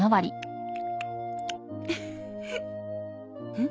うん？